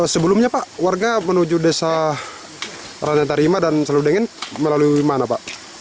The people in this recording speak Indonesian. sebelumnya pak warga menuju desa ranya tarima dan seludengin melalui mana pak